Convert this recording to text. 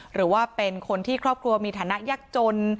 หรือว่าเป็นคนที่ครอบครัวมีฐานะยากจน